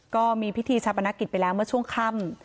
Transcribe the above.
ก็มีพิธีชาปนกิจไปแล้วเมื่อช่วงค่ำ